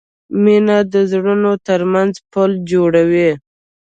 مینه د زړونو ترمنځ پُل جوړوي.